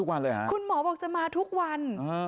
คุณหมอบอกจะมาทุกวัน